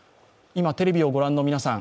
今テレビをご覧の皆さん